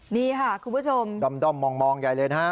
นี่ค่ะคุณผู้ชมด้อมมองใหญ่เลยนะฮะ